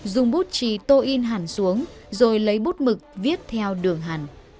dùng bút chì tô in hẳn xuống rồi lấy bút mực viết theo đường hẳn